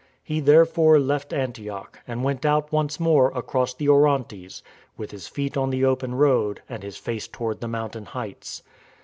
He, therefore, left Antioch and went out once more across the Orontes, with his feet on the open road and his face toward the mountain heights.